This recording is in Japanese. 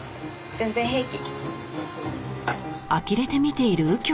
全然平気。